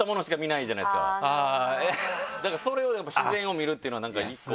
だからそれを自然を見るっていうのはなんか１個。